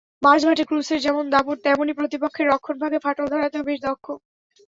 মাঝমাঠে ক্রুসের যেমন দাপট, তেমনি প্রতিপক্ষের রক্ষণভাগে ফাটল ধরাতেও বেশ দক্ষ।